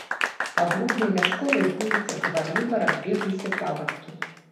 Па бруднай вясковай вуліцы гаварліва разбегліся павадкі.